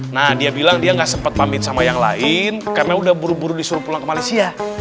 nah dia bilang dia nggak sempat pamit sama yang lain karena udah buru buru disuruh pulang ke malaysia